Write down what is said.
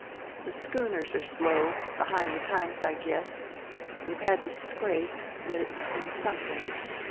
The schooners are slow, behind the times I guess, we've had to scrape; yet it's been something....